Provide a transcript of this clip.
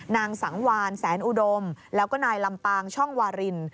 นางสังวานแสนอุดมแล้วก็นายลำปางช่องวาริน